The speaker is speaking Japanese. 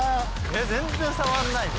全然触んないで。